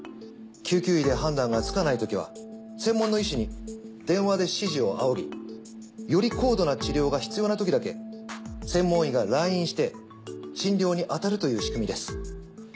救急医で判断がつかないときは専門の医師に電話で指示を仰ぎより高度な治療が必要なときだけ専門医が来院して診療にあたるという仕組みです。